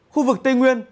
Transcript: khu vực tây nguyên